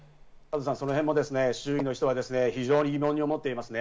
その辺も周囲の人は疑問に思っていますね。